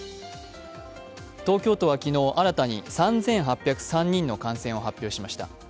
東京都は昨日、新たに３８０３人の感染を発表しました。